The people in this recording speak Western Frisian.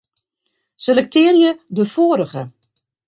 Selektearje de foarige.